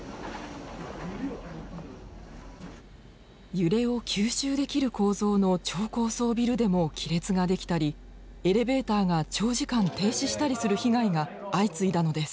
揺れを吸収できる構造の超高層ビルでも亀裂が出来たりエレベーターが長時間停止したりする被害が相次いだのです。